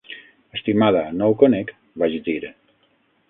"Estimada, no ho conec", vaig dir.